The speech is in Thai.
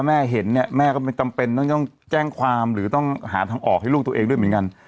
แม่เห็นเนี่ยแม่ก็ไม่จำเป็นต้องแจ้งความหรือต้องหาทางออกให้ลูกตัวเองด้วยเหมือนกัน